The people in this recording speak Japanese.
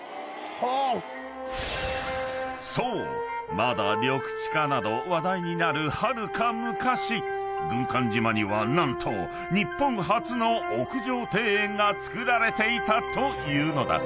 まだ緑地化など話題になるはるか昔軍艦島には何と日本初の屋上庭園が造られていたというのだ］